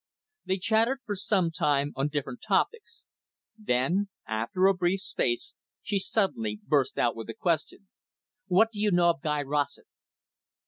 They chatted for some time on different topics. Then, after a brief space, she suddenly burst out with a question. "What do you know of Guy Rossett?"